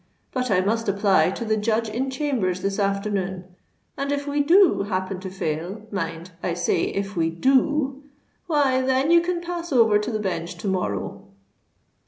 But I must apply to the Judge in Chambers this afternoon; and if we do happen to fail—mind, I say if we do—why, then you can pass over to the Bench to morrow."